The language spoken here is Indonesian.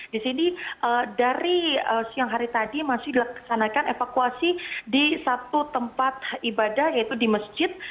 di sini dari siang hari tadi masih dilaksanakan evakuasi di satu tempat ibadah yaitu di masjid